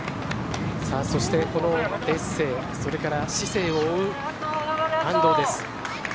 そして、このデッセそれからシセイを追う安藤です。